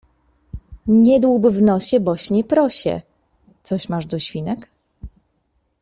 Nie dłub w nosie boś nie prosię. Coś masz do świnek?